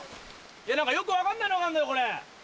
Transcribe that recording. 何かよく分かんないのがあんだよこれ。